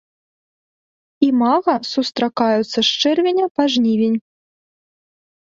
Імага сустракаюцца з чэрвеня па жнівень.